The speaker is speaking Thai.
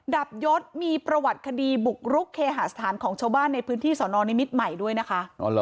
ับยศมีประวัติคดีบุกรุกเคหาสถานของชาวบ้านในพื้นที่สอนอนิมิตรใหม่ด้วยนะคะ